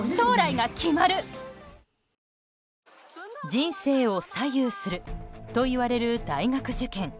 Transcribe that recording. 人生が左右するといわれる大学受験。